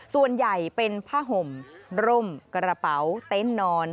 ส่วนใหญ่เป็นผ้าห่มร่มกระเป๋าเต็นต์นอน